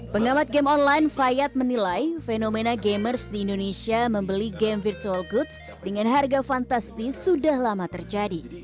pengamat game online fayad menilai fenomena gamers di indonesia membeli game virtual goods dengan harga fantastis sudah lama terjadi